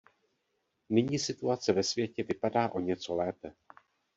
Nyní situace ve světě vypadá o něco lépe.